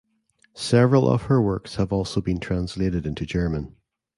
Several of her works have also been translated into German.